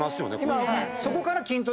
そこから。